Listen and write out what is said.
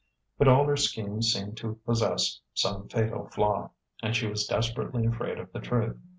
But all her schemes seemed to possess some fatal flaw, and she was desperately afraid of the truth.